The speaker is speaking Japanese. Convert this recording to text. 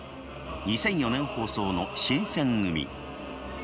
２００４年放送の「新選組！」。